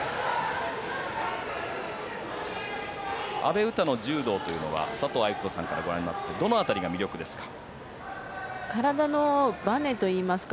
阿部詩の柔道というのは佐藤愛子さんからご覧になってどの辺りが魅力ですか。